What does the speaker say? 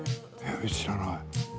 知らない。